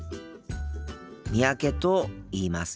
三宅と言います。